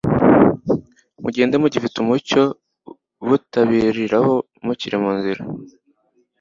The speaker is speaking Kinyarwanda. Nimugende mugifite umucyo butabiriraho mukiri mu nzira,